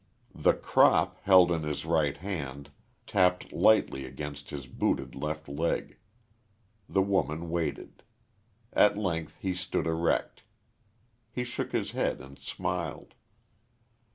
The crop, held in his right hand, tapped lightly against his booted left leg. The woman waited. At length he stood erect. He shook his head and smiled.